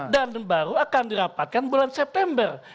dan baru akan dirapatkan bulan september